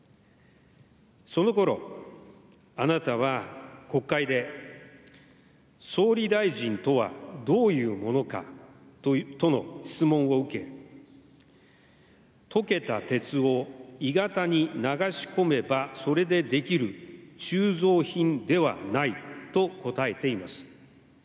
その頃、あなたは国会で総理大臣とはどういうものかとの質問を受け溶けた鉄を鋳型に流し込めばそれでできる鋳造品ではないと答えています。